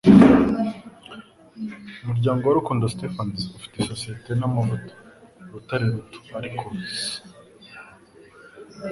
Umuryango wa Rukundo Stephens, ufite isosiyete namavuta, Urutare ruto, Ark, $